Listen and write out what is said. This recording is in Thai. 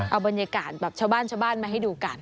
เอาบรรยากาศแบบชาวบ้านมาให้ดูกัน